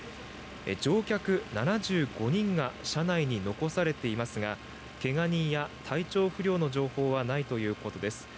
乗客７５人が車内に残されていますがけが人や体調不良の情報はないということです。